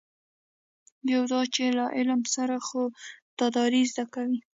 یو دا چې له علم سره خودداري زده کوي.